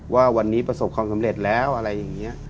ว่าวันนี้ประสบความสำเร็จแล้วอะไรอย่างนี้